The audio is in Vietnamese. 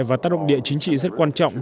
và tác động địa chính trị rất quan trọng